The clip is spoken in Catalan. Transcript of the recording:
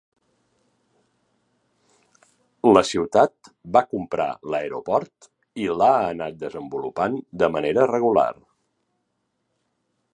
La ciutat va comprar l'aeroport i l'ha anat desenvolupant de manera regular.